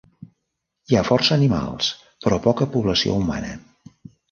Hi ha força animals, però poca població humana.